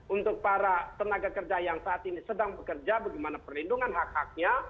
untuk para tenaga kerja yang saat ini sedang bekerja bagaimana perlindungan hak haknya